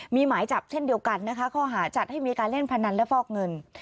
มีหมายจับเช่นเดียวกันนะคะข้อหาจัดให้มีการเล่นพนันและฟอกเงิน